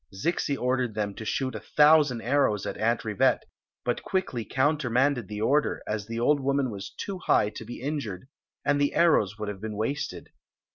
Zixi ordered them to shoot a thousand arrows at Aunt Rivette, but quickly countermanded the order, as the old woman was too high to be injured, and the arrows would have been wasted.